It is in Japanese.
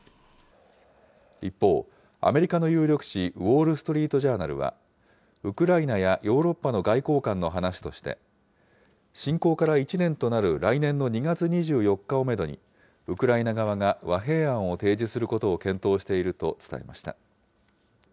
一方、アメリカの有力紙、ウォール・ストリート・ジャーナルは、ウクライナやヨーロッパの外交官の話として、侵攻から１年となる来年の２月２４日をメドに、ウクライナ側が和平案を提示することを検討していると伝えました。